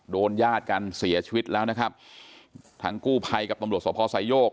ญาติกันเสียชีวิตแล้วนะครับทั้งกู้ภัยกับตำรวจสภสายโยก